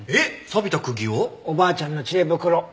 おばあちゃんの知恵袋。